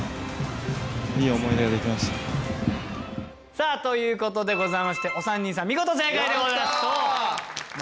さあということでございましてお三人さん見事正解でございます。